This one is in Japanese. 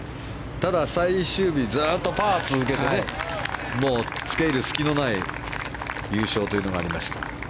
ただ最終日、ずっとパーを続けてつけ入る隙のない優勝というのがありました。